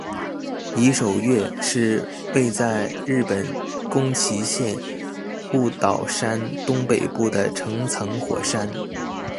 夷守岳是位在日本宫崎县雾岛山东北部的成层火山。